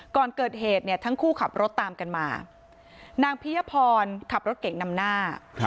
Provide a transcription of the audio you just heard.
ก่อนเกิดเหตุเนี่ยทั้งคู่ขับรถตามกันมานางพิยพรขับรถเก่งนำหน้า